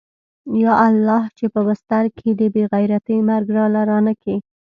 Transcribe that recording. يا الله چې په بستر کې د بې غيرتۍ مرگ راله رانه کې.